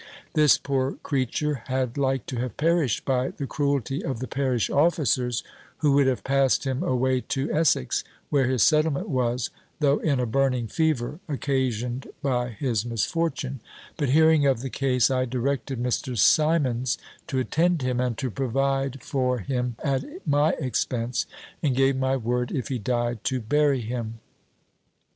This poor creature had like to have perished by the cruelty of the parish officers, who would have passed him away to Essex, where his settlement was, though in a burning fever, occasioned by his misfortune; but hearing of the case, I directed Mr. Simmonds to attend him, and to provide for him at my expense, and gave my word, if he died, to bury him.